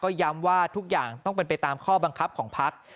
ย้ำว่าทุกอย่างต้องเป็นไปตามข้อบังคับของพัก